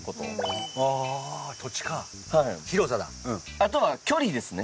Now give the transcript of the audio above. あとは距離ですね。